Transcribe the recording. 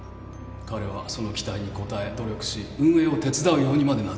彼はその期待に応え努力し運営を手伝うようにまでなった。